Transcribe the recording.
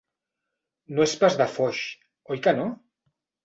No és pas de Foix, oi que no?